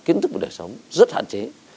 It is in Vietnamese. kiến thức về đời sống rất hạn chế